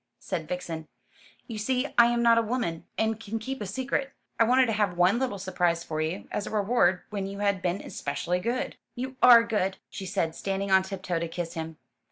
said Vixen. "You see I am not a woman, and can keep a secret. I wanted to have one little surprise for you, as a reward when you had been especially good. "You are good," she said, standing on tiptoe to kiss him.